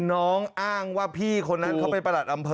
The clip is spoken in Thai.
น้องอ้างว่าพี่คนนั้นเขาเป็นประหลัดอำเภอ